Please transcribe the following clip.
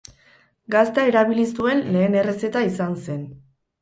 Gazta erabili zuen lehen errezeta izan zen.